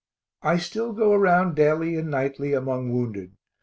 I still go around daily and nightly among wounded.